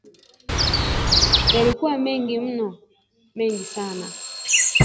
Yalikuwa mengi mno! Mengi sana